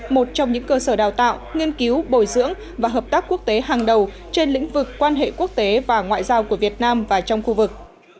một trong những cơ sở đào tạo nghiên cứu bồi dưỡng và hợp tác quốc tế hàng đầu trên lĩnh vực quan hệ quốc tế và ngoại giao của việt nam và trong khu vực